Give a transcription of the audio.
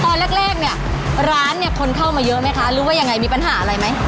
ตอนแรกเนี่ยร้านเนี่ยคนเข้ามาเยอะไหมคะหรือว่ายังไงมีปัญหาอะไรไหม